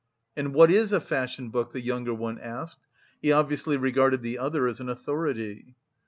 "And what is a fashion book?" the younger one asked. He obviously regarded the other as an authority.